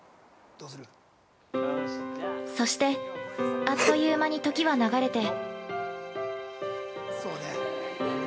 ◆そして、あっという間に時は流れて。